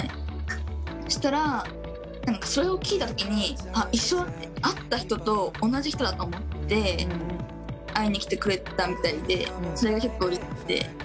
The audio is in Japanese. そしたらそれを聞いた時に「あっ一緒だ」って「会った人と同じ人だ」と思って会いに来てくれたみたいでそれが結構うれしくて。